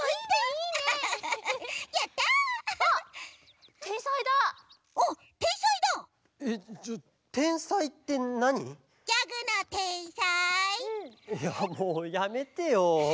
いやもうやめてよ。